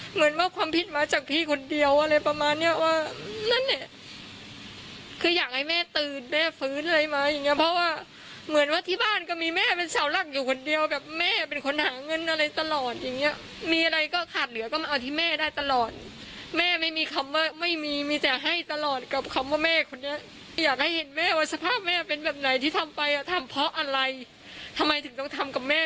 เหมือนว่าความผิดมาจากพี่คนเดียวอะไรประมาณเนี้ยว่านั่นเนี้ยคืออยากให้แม่ตื่นแม่ฟื้นอะไรมาอย่างเงี้ยเพราะว่าเหมือนว่าที่บ้านก็มีแม่เป็นเสาหลังอยู่คนเดียวแบบแม่เป็นคนหาเงินอะไรตลอดอย่างเงี้ยมีอะไรก็ขาดเหลือก็มาเอาที่แม่ได้ตลอดแม่ไม่มีคำว่าไม่มีมีแต่ให้ตลอดกับคำว่าแม่คนนี้อยากให้เห็นแม